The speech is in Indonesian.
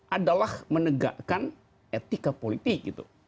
adalah menegakkan etika politik